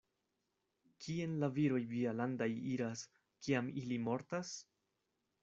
Kien la viroj vialandaj iras, kiam ili mortas?